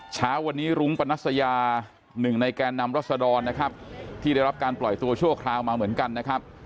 เช้าวันนี้รุ้งปนัสยาหนึ่งในแกนนำรัศดรนะครับที่ได้รับการปล่อยตัวชั่วคราวมาเหมือนกันนะครับ